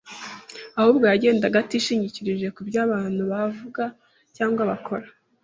ahubwo yagendaga atishingikirije ku byo abantu bavuga cyangwa bakora.